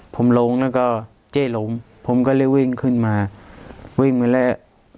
ผมหลงแล้วก็เจ๊หลงผมก็เลยวิ่งขึ้นมาวิ่งไปแล้ว